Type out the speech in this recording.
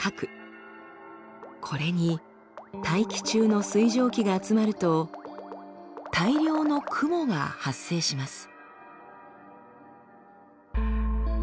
これに大気中の水蒸気が集まると大量の雲が発生します。